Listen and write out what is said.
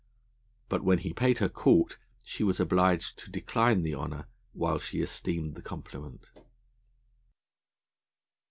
But when he paid her court she was obliged to decline the honour, while she esteemed the compliment.